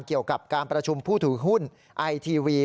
เกี่ยวกับการประชุมผู้ถือหุ้นไอทีวี